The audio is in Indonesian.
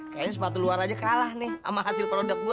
kayaknya sepatu luar aja kalah nih sama hasil produk gue